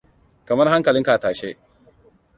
Kamar hankalin ka a tashe.